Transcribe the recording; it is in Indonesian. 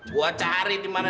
gua cari dimana